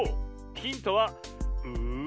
⁉ヒントはうう。